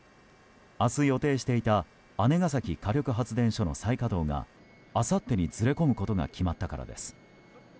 明日、予定していた姉崎火力発電所の再稼働があさってにずれ込むことが決まったからです。